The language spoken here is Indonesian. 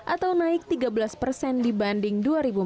atau naik tiga belas persen dibanding dua ribu empat belas